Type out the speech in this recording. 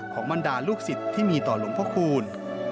ของมันดาลูกศิษย์ที่มีต่อหลวงพระคุณ